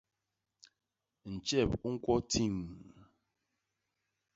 Ntjep u ñkwo tiññ.